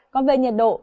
còn về nhiệt độ